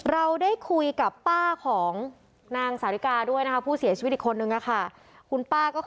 เราได้คุยกับป้าของนางสาธิกาด้วยนะคะผู้เสียชีวิตอีกคนนึงค่ะคุณป้าก็คือ